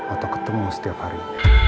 atau ketemu setiap hari